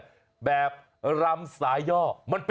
ไอ้แห่ไอ้แห่ไอ้แห่ไอ้แห่